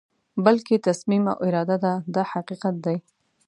بلکې تصمیم او اراده ده دا حقیقت دی.